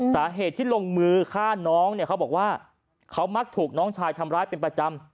สาเหตุที่ลงมือฆ่าน้องเนี่ยเขาบอกว่าเขามักถูกน้องชายทำร้ายเป็นประจำ